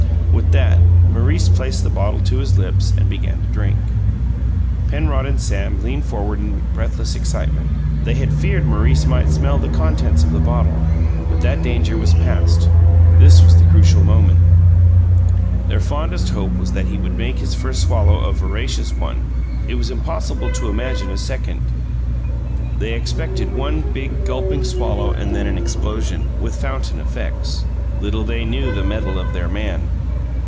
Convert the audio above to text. With that, Maurice placed the bottle to his lips and began to drink. Penrod and Sam leaned forward in breathless excitement. They had feared Maurice might smell the contents of the bottle; but that danger was past this was the crucial moment. Their fondest hope was that he would make his first swallow a voracious one it was impossible to imagine a second. They expected one big, gulping swallow and then an explosion, with fountain effects. Little they knew the mettle of their man!